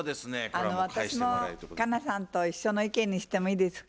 あの私も佳奈さんと一緒の意見にしてもいいですか？